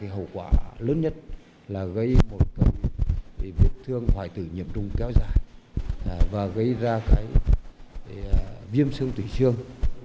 hậu quả lớn nhất là gây một cái việc thương hoại tử nhiệm trùng kéo dài và gây ra cái viêm xương tủy xương